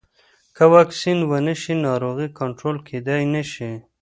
که واکسین ونه شي، ناروغي کنټرول کېدای نه شي.